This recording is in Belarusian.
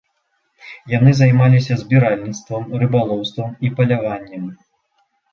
Яны займаліся збіральніцтвам, рыбалоўствам і паляваннем.